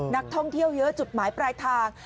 นักท่องเที่ยวเยอะจุดหมายปลายทาง